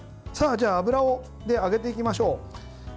じゃあ、油で揚げていきましょう。